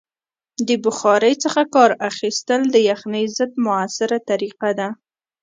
د بخارۍ څخه کار اخیستل د یخنۍ ضد مؤثره طریقه ده.